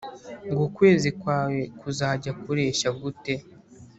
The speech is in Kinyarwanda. ngo ukwezi kwawe kuzajya kureshya gute